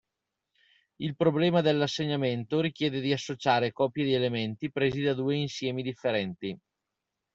Il problema dell'assegnamento richiede di associare coppie di elementi presi da due insiemi differenti.